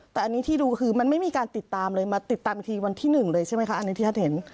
แต่อันนี้ที่ดูคือมันไม่มีการติดตามเลยมาติดตามอีกทีวันที่๑เลยใช่ไหมคะอันนี้ที่ท่านเห็น